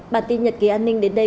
bản tin nhật ký an ninh đến đây